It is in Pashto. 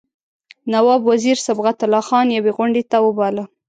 نواب وزیر صبغت الله خان یوې غونډې ته وباله.